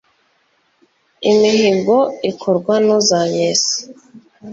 imihigo ikorwa n'uzayesa